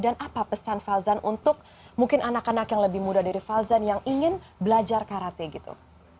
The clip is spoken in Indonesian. dan apa pesan fauzan untuk mungkin anak anak yang lebih muda dari fauzan yang ingin belajar karate gitu